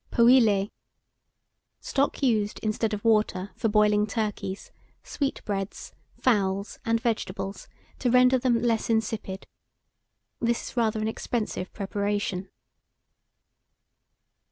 POÊLÉE. Stock used instead of water for boiling turkeys, sweetbreads, fowls, and vegetables, to render them less insipid. This is rather an expensive preparation.